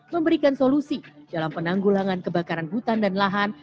memberikan solusi dalam penanggulangan kebakaran hutan dan lahan